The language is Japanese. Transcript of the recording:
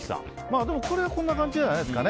こんな感じじゃないですか。